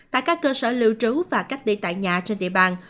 tại các cơ sở lưu trú và cách ly tại nhà trên địa bàn